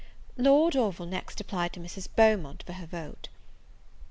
Lord Orville next applied to Mrs. Beaumont for her vote.